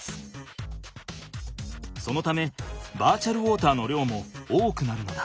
そのためバーチャルウォーターの量も多くなるのだ。